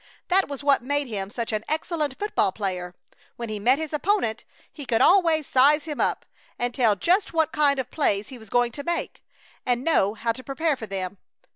That was what made him such an excellent football player. When he met his opponent he could always size him up and tell just about what kind of plays he was going to make, and know how to prepare for them.